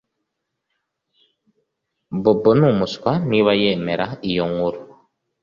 Bobo ni umuswa niba yemera iyo nkuru